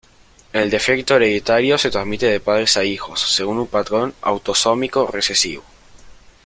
El defecto hereditario se transmite de padres a hijos según un patrón autosómico recesivo.